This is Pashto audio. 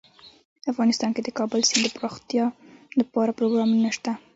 افغانستان کې د کابل سیند دپرمختیا لپاره پروګرامونه شته.